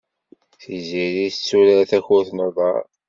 Tiziri tetturar takurt n uḍar.